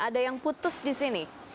ada yang putus disini